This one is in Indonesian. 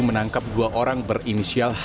menangkap dua orang berinisial